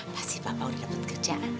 pasti bapak udah dapat kerjaan